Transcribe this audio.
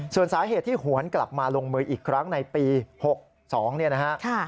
ส่วนสาเหตุที่หวนกลับมาลงมืออีกครั้งในปี๖๒เนี่ยนะฮะ